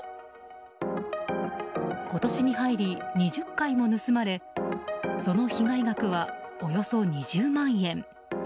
今年に入り２０回も盗まれその被害額はおよそ２０万円。